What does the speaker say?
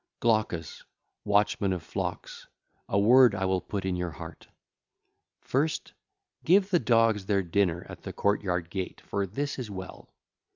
XI. (4 lines) (ll. 1 4) Glaucus, watchman of flocks, a word will I put in your heart. First give the dogs their dinner at the courtyard gate, for this is well.